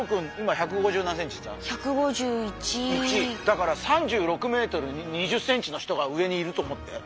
だから３６ｍ２０ｃｍの人が上にいると思って。